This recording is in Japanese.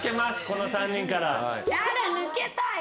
この３人から。